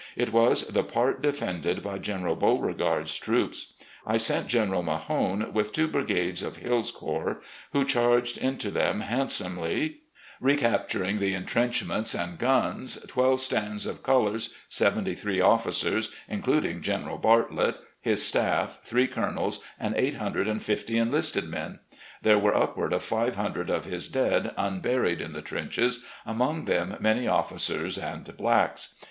It was the part defended by General Beauregard's troops. I sent Gen 136 RECXDLLECTIONS OP GENERAL LEE eral Mahone with two brigades of Hill's corps, who charged into them handsomely, recapturing the intrench ments and guns, twelve stands of colours, seventy three officers, including General Bartlett, his staff, three colonels, and eight hundred and fifty enlisted men. There were upward of five hundred of his dead unburied in the trenches, among them many officers and blacks.